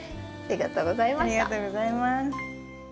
ありがとうございます。